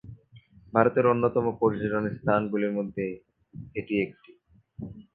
ভারতের অন্যতম পর্যটন স্থান গুলির মধ্যে এটি একটি।